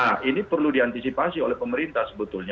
nah ini perlu diantisipasi oleh pemerintah sebetulnya